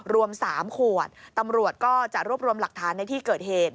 รวม๓ขวดตำรวจก็จะรวบรวมหลักฐานในที่เกิดเหตุ